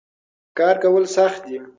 کار کول سخت دي.